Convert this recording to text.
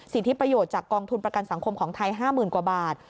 สิทธิประโยชน์จากกองทุนประกันสังคมของไทย๕๐๐๐กว่าบาท